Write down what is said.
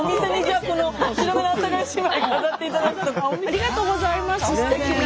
⁉ありがとうございますステキな。